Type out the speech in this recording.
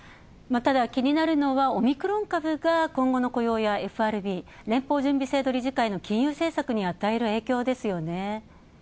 ただ、気になるのはオミクロン株が今後の雇用やＦＲＢ＝連邦準備制度理事会の金融政策に与える影響ですよね。